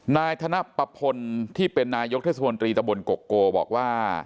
ทางภาพประพฤนที่เป็นนายกเทศดำอบบลกก็บอกว่า